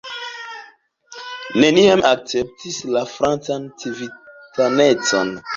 Neniam akceptis la francan civitanecon.